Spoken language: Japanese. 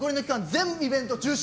全イベント中止。